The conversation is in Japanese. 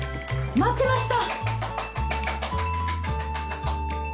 待ってました！